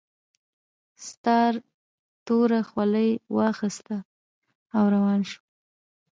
ستار توره خولۍ واغوسته او روان شو